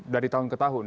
dari tahun ke depan